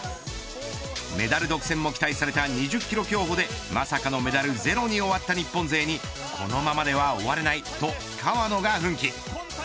メダル独占も期待された２０キロ競歩でまさかのメダルゼロに終わった日本勢にこのままでは終われないと川野が奮起。